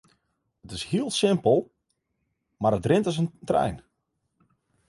It is hiel simpel mar it rint as in trein.